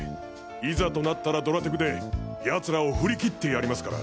いざとなったらドラテクで奴らを振り切ってやりますから！